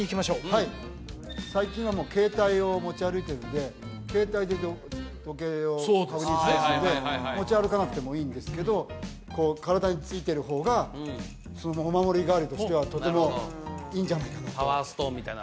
はい最近はもう携帯を持ち歩いているので携帯で時計を確認しますので持ち歩かなくてもいいんですけどこう体についてる方がお守り代わりとしてはとてもいいんじゃないかなとパワーストーンみたいなね